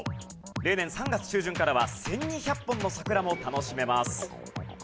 例年３月中旬からは１２００本の桜も楽しめます。